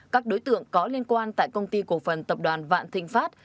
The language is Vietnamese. các đối tượng có liên quan tại công ty cổ phần tập đoàn vạn thịnh pháp